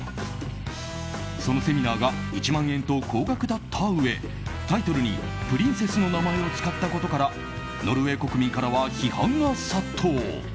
そのセミナーが１万円と高額だったうえ、タイトルにプリンセスの名前を使ったことからノルウェー国民からは批判が殺到。